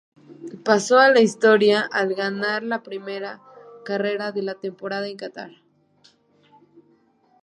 Pasó a la historia al ganar la primera carrera de la temporada en Catar.